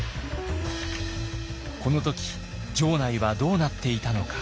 この時城内はどうなっていたのか。